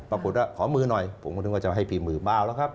ขอมือหน่อยผมก็นึกว่าจะให้พิมพ์มือเบาแล้วครับ